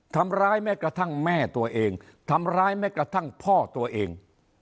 ทำร้ายแม้กระทั่งแม่ตัวเองทำร้ายแม้กระทั่งพ่อตัวเอง